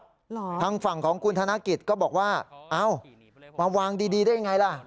หรอทางฝั่งของคุณธนกิจก็บอกว่าเอ้ามาวางดีดีได้ยังไงล่ะ